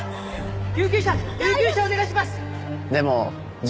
救急車救急車お願いします！